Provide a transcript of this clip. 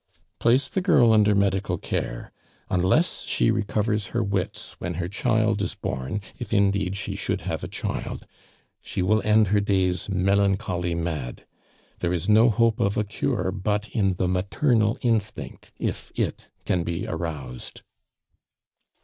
"Place the girl under medical care; unless she recovers her wits when her child is born if indeed she should have a child she will end her days melancholy mad. There is no hope of a cure but in the maternal instinct, if it can be aroused."